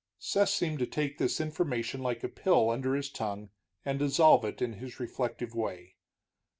Seth seemed to take this information like a pill under his tongue and dissolve it in his reflective way.